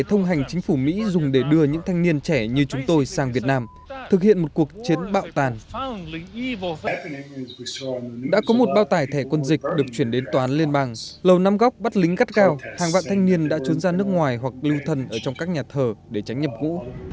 hàng vạn thanh niên đã trốn ra nước ngoài hoặc lưu thần ở trong các nhà thờ để tránh nhập vũ